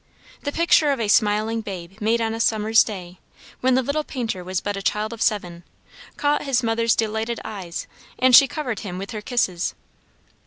The picture of a smiling babe made on a summer's day, when the little painter was but a child of seven, caught his mother's delighted eyes, and she covered him with her kisses.